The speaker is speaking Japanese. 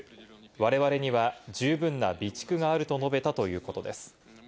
我々には十分な備蓄があると述べたということです。